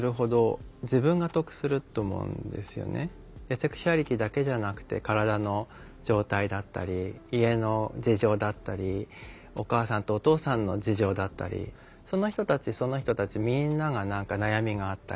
セクシュアリティーだけじゃなくて体の状態だったり家の事情だったりお母さんとお父さんの事情だったりその人たちその人たちみんなが何か悩みがあったり。